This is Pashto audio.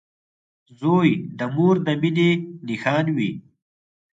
• زوی د مور د مینې نښان وي.